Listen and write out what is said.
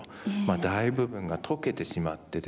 大部分が溶けてしまってですね